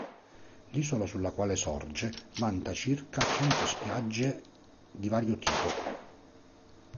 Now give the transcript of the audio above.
L'isola sulla quale sorge vanta circa cento spiagge di vario tipo.